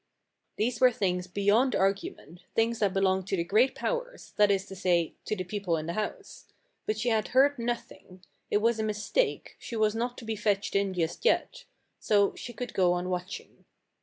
These were things beyond argument, things that be longed to the great powers, that is to say, to the peo pie in the house. But she had heard nothing ; it was a mistake; she was not to be fetched in just yet. So she could go on watching.